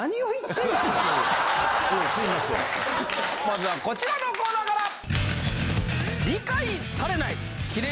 まずはこちらのコーナーから！